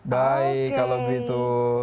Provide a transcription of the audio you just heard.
baik kalau begitu